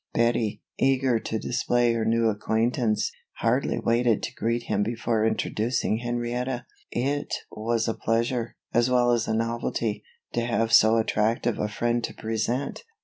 Bettie, eager to display her new acquaintance, hardly waited to greet him before introducing Henrietta. It was a pleasure, as well as a novelty, to have so attractive a friend to present.